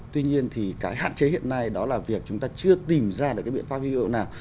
tuy nhiên thì cái hạn chế hiện nay đó là việc chúng ta chưa tìm ra được cái biện pháp huy hiệu nào